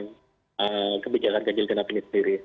jadi itu adalah kebijakan ganjil genap ini sendiri